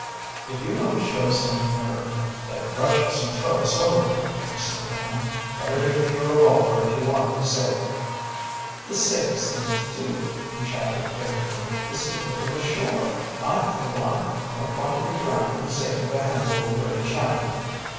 “If you don’t show some nerve, they’ll rush us and throw us overboard,‚ÄĚ I said to him. “Better give me your revolver, if you want to be safe.‚ÄĚ “The safest thing to do,‚ÄĚ he chattered cravenly, “is to put them ashore. I, for one, don’t want to be drowned for the sake of a handful of dirty Chinamen.